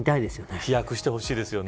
飛躍してほしいですね